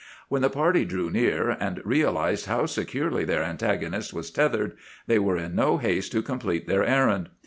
"When the party drew near, and realized how securely their antagonist was tethered, they were in no haste to complete their errand.